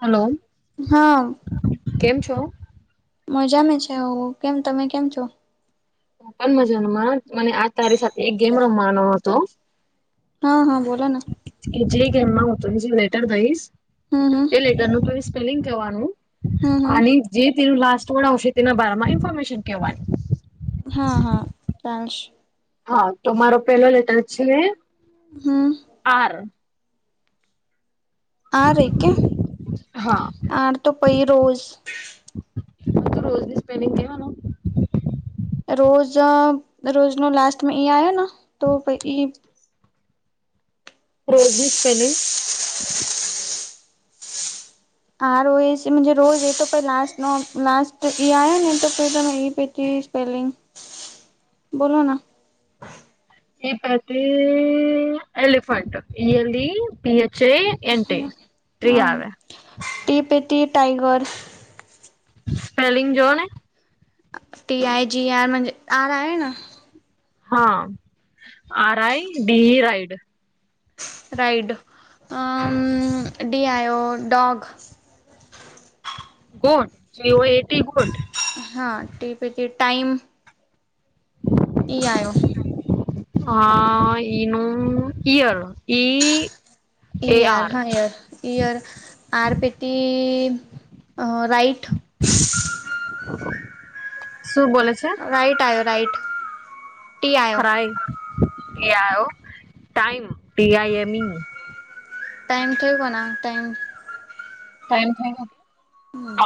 Hello, હા કેમ છો? મજામાં છે. કેમ, તમે કેમ છો? પણ મજામાં, મને આ તારી સાથે એક ગેમ રમવાનો હતો. હા હા, બોલો. એ જે કે એમમાં હ હતું, એ જે લેટર દઈશ. હમ, હમ. તે લેટર નો સ્પેલિંગ કરવાનું. હમ હમ જે તેનું લાસ્ટ વણ આવશે, તેના બારમાં ઇન્ફોર્મેશન કહેવાનું. હા હા, ચાલશે. હા, તો મારો પેલો લેટર છે. હમ. આર. આ રે કે હા આ તો પઈ રોજ. [unintelligible] તો રોજની સ્પેન કે હ. [unintelligible] રોજ રોજ ને, લાસ્ટ મે એ આયો તો ભલે. રોજની સ્પેલિંગ. [inaudible] આરો એસી માં રોજ એ તો પછી, લાસ્ટ ન લાસ્ટ એ આવ્યો ને, એ તો એ પતી સ્પેલિંગ. [unintelligible] બોલો ના. પતિ, elephant A, L, P, H, A, N, T. હમ આવે. T, P, T, tiger. Spelling જોઓ ને. ટી, આઈ, જી, આર આયે ના. હા, R, I, D ride. Ride, D, આયો, dog. God, G, O, A, T, god. હા, ટી, પી, ટાઈમ. ટી આયો. હા, ઈ, નું ઈયર ઈ. એ યાર, આર હા યાર, યાર, આર, પેટી. રાઈટ. શું બોલે છે? રાઈટ આવ્યો, રાઈટ. ટી આવ્યો crime, T, R, O, time, P, I, Amy. Time થઈ ગના, ટાઈમ. કમ થય ક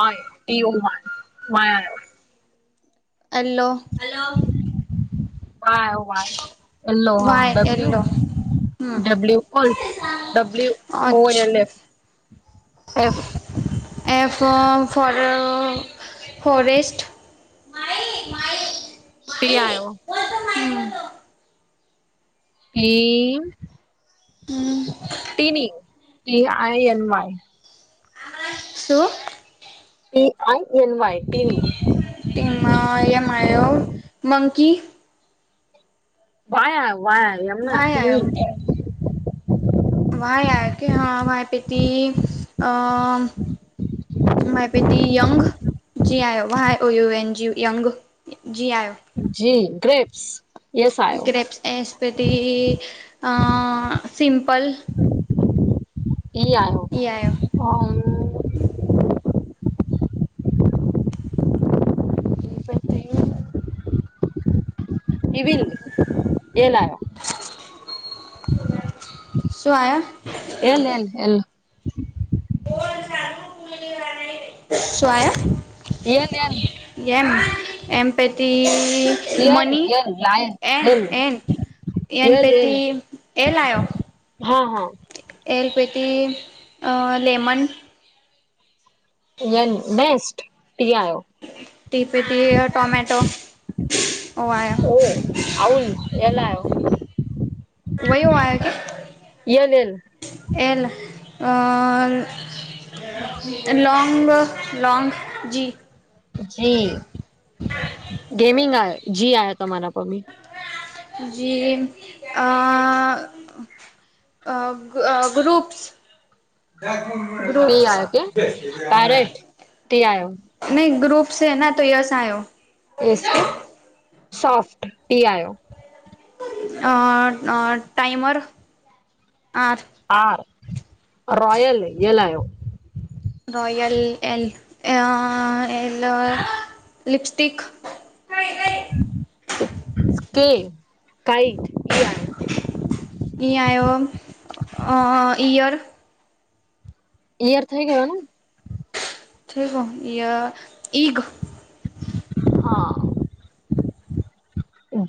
તેવ મા આવ્યો [unintelligible] hello. Y, Y, yellow, H, Y W, yellow હમ ડબલ્યુ, ઓલ. ડબલ્યુ, ઓ, અચ્છા N, F. F for forest. P આયો. ટ ટની ટ આઈ એન વાય. શું ટીઈ એન વઇ ટીનું. એમાં એમો મંકી. વાયા વાયા એમના વાય ટની. આવ્યો વાય આ કે હ વાય પેથી અ માાય પેટી યંગ જ આવયું એન જ યંગ. જી આવ્યો. G grapes. યસ આયો ગ્રેપ્સ એસપતિ, સિમપલ. એ આવ. એ આવ. હા. વલ એલા. [inaudible] શું આયા? એલ એ એલ. સ [unintelligible] એન ન. એમ એમ પેટી L money, L lion M L M. N L L પેતી એલા આવો. હા હા. એલપેટી લેમન. બેસ્ટ તી આવયો. ટીપીટી ટોમેટો, ઓ આવ. ઓ આઉલ એલા આવ. વયું આવયો એલ કે એ અ. લ લોંગ લ લોંગ જી. જી ગેમિંગ આ જી આયો હતા મારા પ્મી. જે હ ગ્રુપ્સ. પી આયો કે બે પેરેટ ટી આયો [unintelligible] નહીં ગ્રુપ છે ના તો યસયો. એ કે, સોફ્ટ પી આયો. અ ટાઈમર, આ આ રોયલ એલો. Royal L L lipstick. સ્કે કઈટ ઈ. એહીં, આવ્યો ઈયર. ઈયર થઈ ગયો ને? થઠ ગ યા ઈગ. હા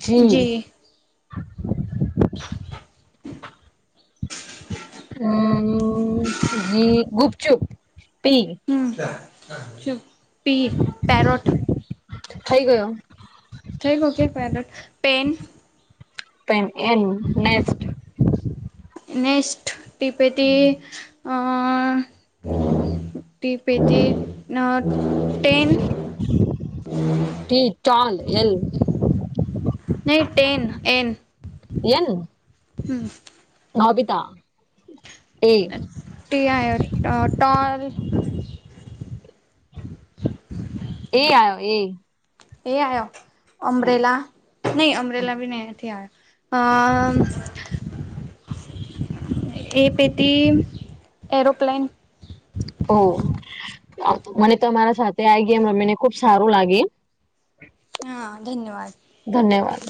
જી. હમ્મ જી ગુપચુપ પી. હમ્મ, ચુ પી પેરોઠ થઇ ગયો. ખેગો કે પેરેટ પેન પ એનેક્ [unintelligible] નેક્સ્ટ, ટીપે હતી. ટી પેટી? ના ટ્રેન. ટી ચાલ એલ નહી ટન એન. યેન હમ્મ. નોબીતા તે. તે આયો અહ તો આવે. એ આયો એ એ આયો અમબરેલા નહી અમ્બરેલા ભી ન નથી આયો. અમ્મ. એ પેટી એરોપ્લેન હો આ મને તમારા સાથે આ ગેમ રમીને ખુબ સારું લાગે. હા ધન્યવાદ. ધન્યવાદ.